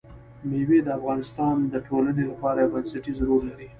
مېوې د افغانستان د ټولنې لپاره یو بنسټيز رول لري.